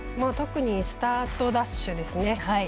特にスタートダッシュです。